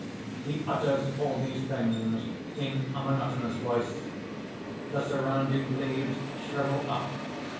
(He utters all these things in a monotonous voice. _The surrounding leaves shrivel up.